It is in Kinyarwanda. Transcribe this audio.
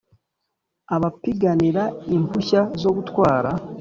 abapiganira impushya zo gutwara